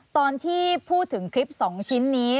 ตอนที่พูดถึงคลิป๒ชิ้นนี้